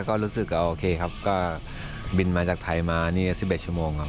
ก็รู้สึกโอเคครับก็บินมาจากไทยมานี่๑๑ชั่วโมงครับ